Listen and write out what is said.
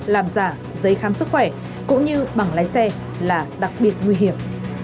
làm giả giấy khám sức khỏe cũng như bằng lái xe là đặc biệt nguy hiểm